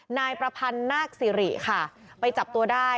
นายประพันธ์นาคสิริค่ะไปจับตัวได้